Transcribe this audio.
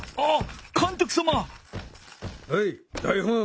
はい台本。